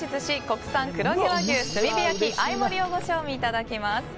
国産黒毛和牛炭火焼合盛りをご賞味いただきます。